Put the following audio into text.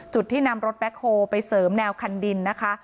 จุดที่นำรถแบ็คโฮลไปเสริมแนวคันดินนะคะ